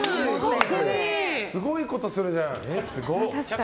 すごいことするじゃん。